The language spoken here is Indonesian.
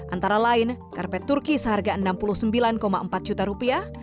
antara lain karpet turki seharga enam puluh sembilan empat juta rupiah